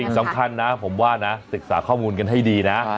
สำคัญนะผมว่านะศึกษาข้อมูลกันให้ดีนะ